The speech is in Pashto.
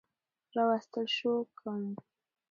راوستل شو کوم